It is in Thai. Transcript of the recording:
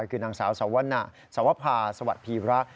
คือนางสาวสวภาสวัสดีระ